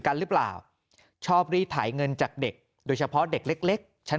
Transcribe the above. กันหรือเปล่าชอบรีดถ่ายเงินจากเด็กโดยเฉพาะเด็กเล็กชั้น